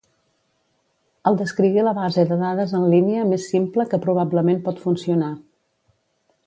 El descrigué la base de dades en línia més simple que probablement pot funcionar